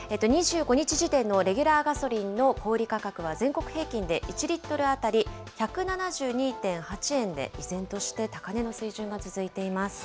２５日時点のレギュラーガソリンの小売り価格は、全国平均で１リットル当たり１７２．８円で、依然として高値の水準が続いています。